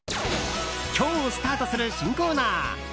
今日スタートする新コーナー。